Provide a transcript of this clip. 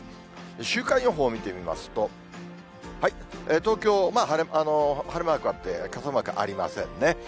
週間予報を見てみますと、東京、晴れマークあって、傘マークありませんね。